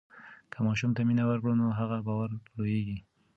که ماشوم ته مینه ورکړو نو هغه باوري لویېږي.